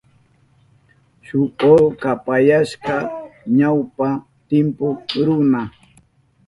Shuk oso kapayashka ñawpa timpu runa.